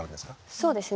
そうですね。